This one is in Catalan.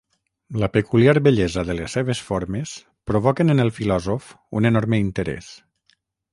La peculiar bellesa de les seves formes provoquen en el filòsof un enorme interès.